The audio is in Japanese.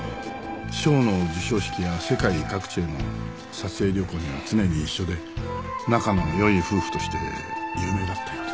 賞の授賞式や世界各地への撮影旅行には常に一緒で仲の良い夫婦として有名だったようです。